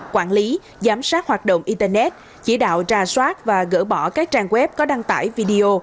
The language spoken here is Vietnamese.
quản lý giám sát hoạt động internet chỉ đạo ra soát và gỡ bỏ các trang web có đăng tải video